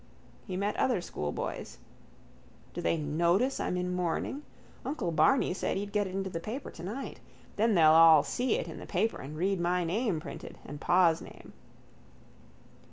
He met other schoolboys. Do they notice I'm in mourning? Uncle Barney said he'd get it into the paper tonight. Then they'll all see it in the paper and read my name printed and pa's name.